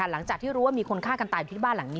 หลังจากที่รู้ว่ามีคนฆ่ากันตายอยู่ที่บ้านหลังนี้